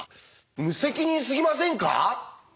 無責任すぎませんか？